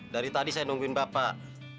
dari tadi saya nungguin bapak